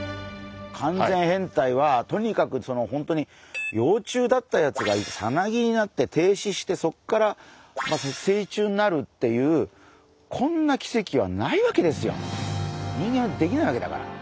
完全変態はとにかく本当に幼虫だったやつがさなぎになって停止してそっから成虫になるっていう人間はできないわけだから。